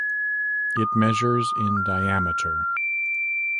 It measures in diameter.